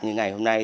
như ngày hôm nay